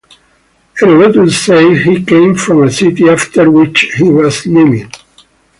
Herodotus says he came from a city after which he was named.